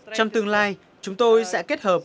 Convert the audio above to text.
trong tương lai chúng tôi sẽ kết hợp